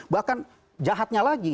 bahkan jahatnya lagi